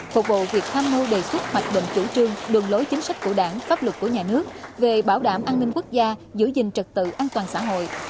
phục vụ việc tham mưu đề xuất hoạch định chủ trương đường lối chính sách của đảng pháp luật của nhà nước về bảo đảm an ninh quốc gia giữ gìn trật tự an toàn xã hội